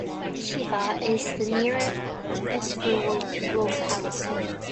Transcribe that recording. Shiba is the nearest rural locality.